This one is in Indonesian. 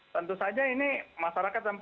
tentu saja ini masyarakat